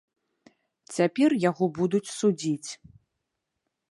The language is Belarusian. Цяпер яго будуць судзіць.